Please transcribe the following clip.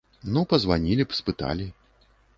Ну пазванілі б, спыталі.